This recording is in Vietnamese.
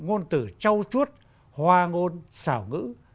ngôn từ trao chuốt hoa ngôn xảo ngữ